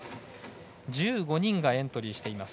１５人がエントリーしています。